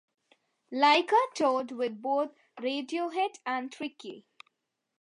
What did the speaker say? Laika toured with both Radiohead and Tricky.